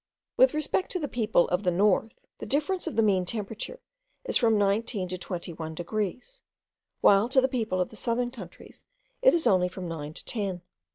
With respect to the people of the north, the difference of the mean temperature is from nineteen to twenty one degrees, while to the people of southern countries it is only from nine to ten.